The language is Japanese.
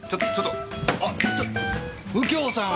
あっちょ右京さん！